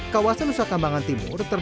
kawasan nusa kambangan timur